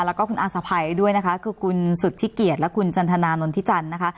แล้วก็คุณอาสะภัยด้วยนะคะคือคุณสุธิเกียรติและคุณจันทนานนทิจันทร์นะคะ